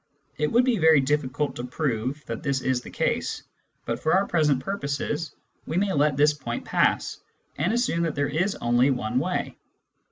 It would be very difficult to prove that this is the case, but for our present purposes we may let this point pass, and assume that there is only one way.